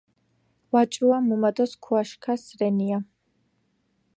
ვაჭრუა მუმა დო სქუაშქას რენია